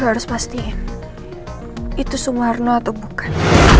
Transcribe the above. gue harus pastiin itu sumarno atau bukan